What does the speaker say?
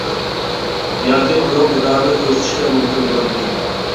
ياكى ئۇنىڭ دىدارىنى كۆرسىتىشكە مۇمكىن بولارمىكىن؟